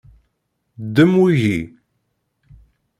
Ddem wigi.